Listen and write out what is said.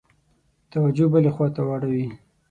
توجه بلي خواته واړوي.